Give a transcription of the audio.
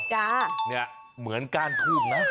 จ๋าะเหมือนการจูบนะเน่ะ